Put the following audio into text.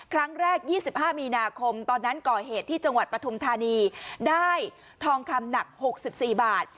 ครั้งแรก๒๕มีนาคมตอนนั้นก่อเหตุที่จังหวัดปฐุมธานีได้ทองคำหนัก๖๔บาท